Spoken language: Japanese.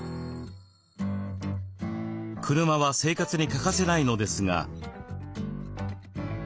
車は生活に欠かせないのですが。